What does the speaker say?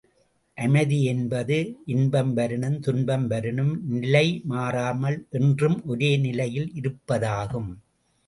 அமைதி என்பது, இன்பம் வரினும் துன்பம் வரினும், நிலை மாறாமல் என்றும் ஒரே நிலையில் இருப்பதாகும்.